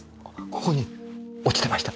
ここに落ちてました。